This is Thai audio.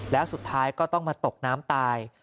แล้วสุดท้ายก็ต้องมาตกน้ำตาย